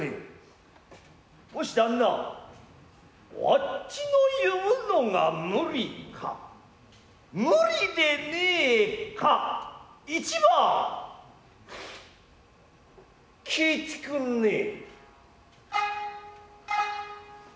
もし旦那わっちの言うのが無理か無理でねえか一番聞いてくんねえ。